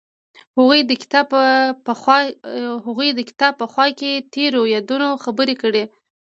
هغوی د کتاب په خوا کې تیرو یادونو خبرې کړې.